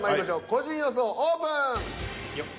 個人予想オープン！